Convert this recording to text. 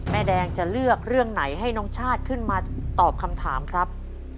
แม่แดงจะเลือกเรื่องไหนให้น้องชาติขึ้นมาตอบคำถามครับ